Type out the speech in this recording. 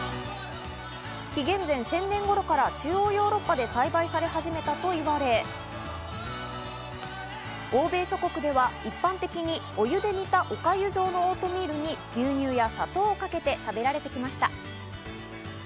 紀元前１０００年ごろから中央ヨーロッパで栽培され始めたといわれ、欧米諸国では一般的にお湯で煮たおかゆ状のオートミールに牛乳や砂糖をかけて食べられてきました。